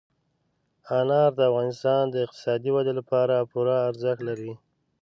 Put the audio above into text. انار د افغانستان د اقتصادي ودې لپاره پوره ارزښت لري.